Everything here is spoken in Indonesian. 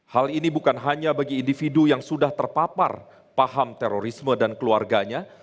hal ini bukan hanya bagi individu yang sudah terpapar paham terorisme dan keluarganya